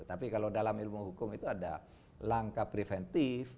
tapi kalau dalam ilmu hukum itu ada langkah preventif